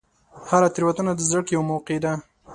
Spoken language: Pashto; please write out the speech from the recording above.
هره تېروتنه د زدهکړې یوه موقع ده.